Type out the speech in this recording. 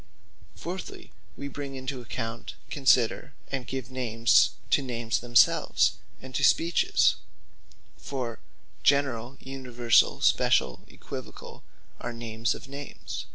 Fourthly, we bring into account, consider, and give names, to Names themselves, and to Speeches: For, Generall, Universall, Speciall, Oequivocall, are names of Names.